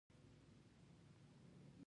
لا تر اوسه د افغان وطن پرضد جنګیالي دي.